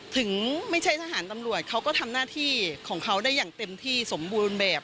ถึงไม่ใช่ทหารตำรวจเขาก็ทำหน้าที่ของเขาได้อย่างเต็มที่สมบูรณ์แบบ